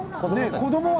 子どもは。